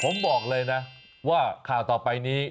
ผมบอกเลยนะว่าข่าวต่อไปนี้